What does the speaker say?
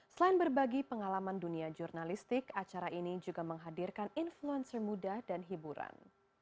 selain berbagi pengalaman dunia jurnalistik acara ini juga menghadirkan influencer muda dan hiburan